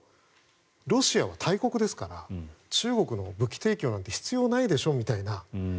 ロシアは大国ですから中国の武器提供なんて必要ないでしょみたいな。